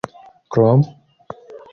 krom